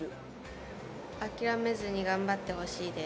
諦めずに頑張ってほしいです。